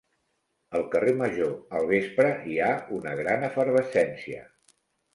Al carrer major, al vespre, hi ha una gran efervescència.